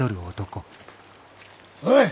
おい。